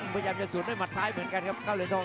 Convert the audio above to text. พยายามจะสวนด้วยหมัดซ้ายเหมือนกันครับเก้าเหรียญทอง